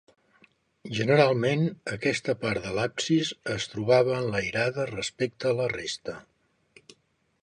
Generalment aquesta part de l'absis es trobava enlairada respecte a la resta.